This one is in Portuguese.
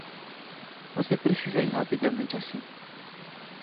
Você precisa ir rapidamente assim.